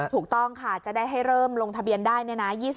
ถูกต้องค่ะจะได้ให้เริ่มลงทะเบียนได้เนี่ยนะ